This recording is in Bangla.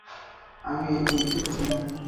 আমি এটুকুই জানি।